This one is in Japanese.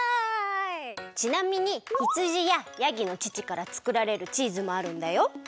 ちなみにひつじややぎのちちからつくられるチーズもあるんだよ。